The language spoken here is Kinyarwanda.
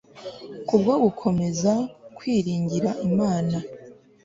kubwo gukomeza kwiringira Imana